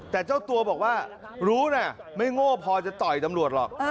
แต่เจ้าตัวบอกว่ารู้นะไม่โง่พอจะต่อยตำรวจหรอก